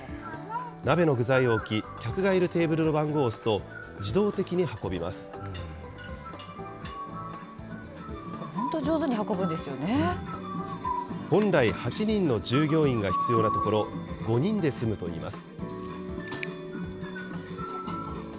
鍋の具材を置き、客がいるテーブルの番号を押すと、自動的に運び本当、本来、８人の従業員が必要なところ、５人で済むといいます。